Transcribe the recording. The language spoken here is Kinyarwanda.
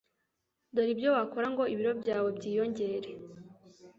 Dore ibyo wakora ngo ibiro byawe byiyongere